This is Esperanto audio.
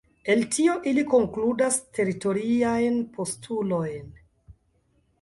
El tio ili konkludas teritoriajn postulojn.